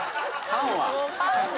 パンは？